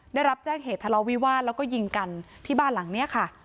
ได้รับแจ้งเหตุทะเลาวิวาสแล้วก็ยิงกันที่บ้านหลังนี้ค่ะ